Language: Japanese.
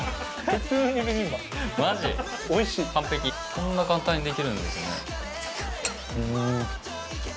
こんな簡単にできるんですね。